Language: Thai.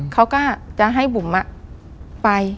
เขาก็จะให้บุ๋มไป